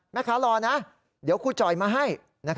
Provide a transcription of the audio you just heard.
แม่ค้ารอนะเดี๋ยวครูจ่อยมาให้